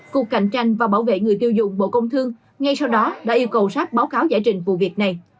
cuộc cạnh tranh và bảo vệ người tiêu dụng bộ công thương ngay sau đó đã yêu cầu rap báo cáo giải trình vụ việc này